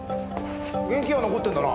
現金は残ってるんだな。